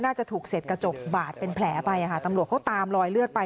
น่าจะถูกเสร็จกระจกบาดเป็นแผลไปอ่ะค่ะตำรวจเขาตามรอยเลือดไป